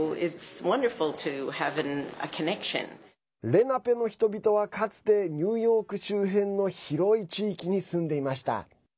レナペの人々は、かつてニューヨーク周辺の広い地域に住んでいました。